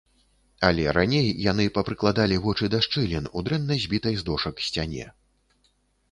Але раней яны папрыкладалі вочы да шчылін у дрэнна збітай з дошак сцяне.